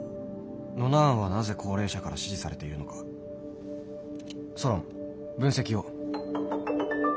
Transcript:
ノナ案はなぜ高齢者から支持されているのかソロン分析を。